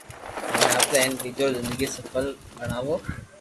ھين آپري ھين ٻچو ري زندگي سفل بڻاوُ